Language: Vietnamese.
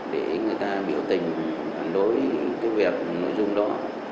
để người ta biểu tình phản đối cái việc nội dung đó